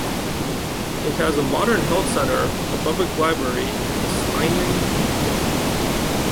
It has a modern health centre, a public library and the Steyning Museum.